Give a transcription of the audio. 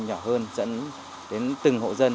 nhỏ hơn dẫn đến từng hộ dân